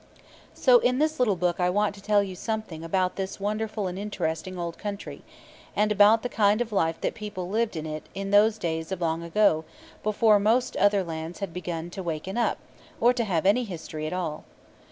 So in this little book I want to tell you something about this wonderful and interesting old country, and about the kind of life that people lived in it in those days of long ago, before most other lands had begun to waken up, or to have any history at all.